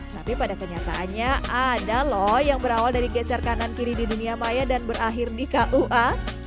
tapi pada kenyataannya ada loh yang berawal dari geser kanan kiri di dunia maya dan berakhir di kua